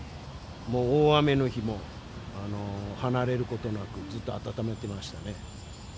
もう大雨の日も離れることなく、ずっと温めてましたね。